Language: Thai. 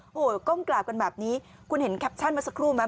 โอ้โหก้มกราบกันแบบนี้คุณเห็นแคปชั่นมาสักครู่ไหม